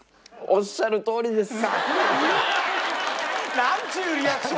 「おっしゃるとおりです」。